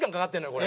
これ。